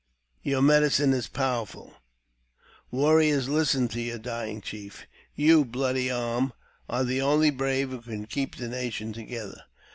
Your medicine is powerful Warriors, listen to your dying chief ! You, Bloody Arm, art the only brave who can keep the nation together.